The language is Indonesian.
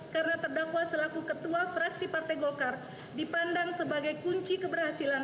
karena terdakwa selaku ketua fraksi partai golkar dipandang sebagai kunci keberhasilan